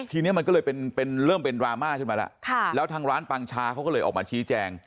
ทีนี้มันก็เลยเป็นเริ่มเป็นดราม่าขึ้นมาแล้วแล้วทางร้านปังชาเขาก็เลยออกมาชี้แจง